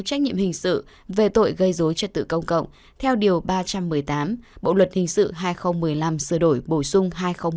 trách nhiệm hình sự về tội gây dối trật tự công cộng theo điều ba trăm một mươi tám bộ luật hình sự hai nghìn một mươi năm sửa đổi bổ sung hai nghìn một mươi bảy